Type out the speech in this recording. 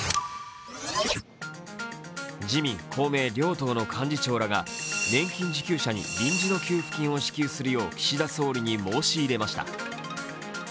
自民・公明両党の幹事長らが年金受給者に臨時の給付金を支給するよう岸田総理に申し入れました。